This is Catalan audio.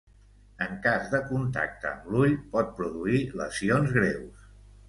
En cas de contacte amb l'ull, pot produir lesions greus.